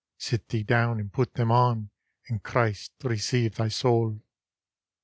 Sit thee down and put them on ; And Christe receive thy saule.